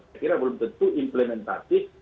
saya kira belum tentu implementatif